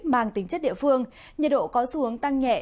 mang tính chất địa phương nhiệt độ có xu hướng tăng nhẹ